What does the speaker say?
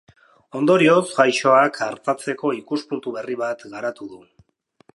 Ondorioz, gaixoak artatzeko ikuspuntu berri bat garatu du.